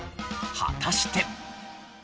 果たして。